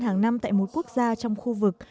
hàng năm tại mỗi quốc gia trong khu vực